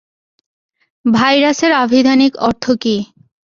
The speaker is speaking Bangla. ভাইরাসের আভিধানিক অর্থ কী?